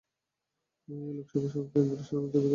এই লোকসভা কেন্দ্রর সদর দফতর বিকানের শহরে অবস্থিত।